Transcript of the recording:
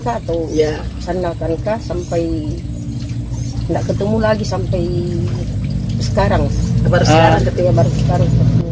atau ya sandal kankas sampai enggak ketemu lagi sampai sekarang baru sekarang ketika baru sekarang